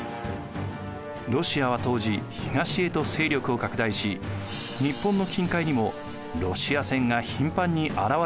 ロシアは当時東へと勢力を拡大し日本の近海にもロシア船が頻繁に現れるようになっていました。